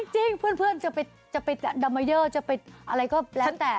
จริงเพื่อนจะไปดัมมาเยอร์จะไปอะไรก็แล้วแต่